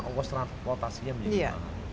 okos transportasinya banyak